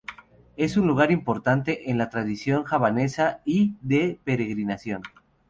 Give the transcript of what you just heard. Es un lugar importante en la tradición javanesa y de peregrinación.